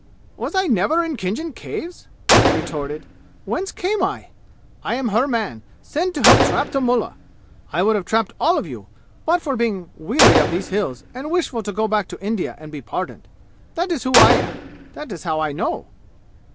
"Was I never in Khinjan Caves?" he retorted. "Whence came I? I am her man, sent to help trap the mullah! I would have trapped all you, but for being weary of these 'Hills' and wishful to go back to India and be pardoned! That is who I am! That is how I know!"